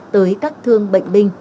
tới các thương bệnh binh